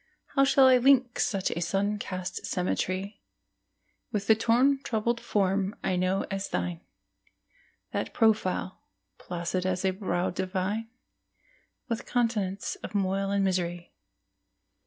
How shall I link such sun cast symmetry With the torn troubled form I know as thine, That profile, placid as a brow divine, With continents of moil and misery?